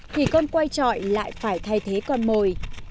thủy con quay trọi lại phải thay thế con mồi